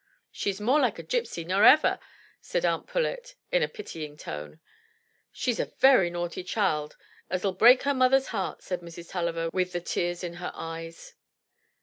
" She's more like a gipsy nor ever," said Aunt Pullet in a pitying tone. "She's a naughty child, as '11 break her mother's heart," said Mrs. Tulliver with the tears in her eyes.